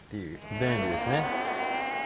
便利ですね。